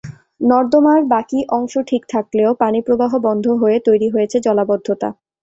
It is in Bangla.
নর্দমার বাকি অংশ ঠিক থাকলেও পানিপ্রবাহ বন্ধ হয়ে তৈরি হয়েছে জলাবদ্ধতা।